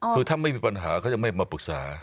คือถ้าไม่มีปัญหาเขาจะไม่มาปรึกษา